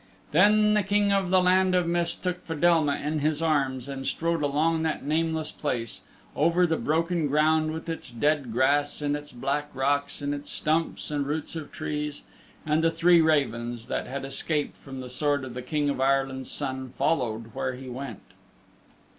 Then the King of the Land of Mist took Fedelma in his arms and strode along that nameless place, over the broken ground with its dead grass and its black rocks and its stumps and roots of trees and the three ravens that had escaped the sword of the King of Ire land's Son followed where he went.